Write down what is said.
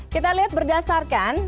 kita lihat berdasarkan